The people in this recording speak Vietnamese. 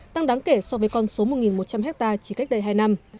tăng đáng kể so với con số một một trăm linh hectare chỉ cách đây hai năm